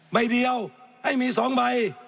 ใบเดียวไอ้มี๒ใบ